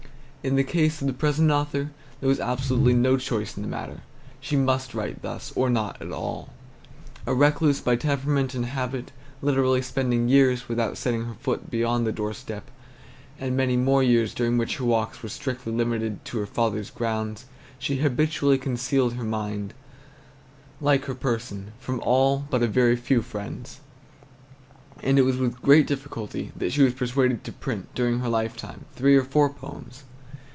In the case of the present author, there was absolutely no choice in the matter; she must write thus, or not at all. A recluse by temperament and habit, literally spending years without setting her foot beyond the doorstep, and many more years during which her walks were strictly limited to her father's grounds, she habitually concealed her mind, like her person, from all but a very few friends; and it was with great difficulty that she was persuaded to print, during her lifetime, three or four poems.